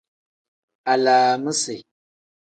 Alaamisi.